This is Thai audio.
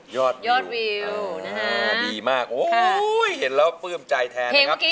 ยอดวิวดีมากเห็นแล้วเผื่อมใจแทนนะครับ